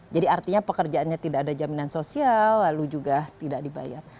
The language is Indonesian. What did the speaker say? jadi artinya pekerjaannya tidak ada jaminan sosial lalu juga tidak dibayar